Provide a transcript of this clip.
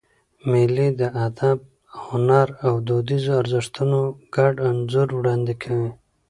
مېلې د ادب، هنر او دودیزو ارزښتونو ګډ انځور وړاندي کوي.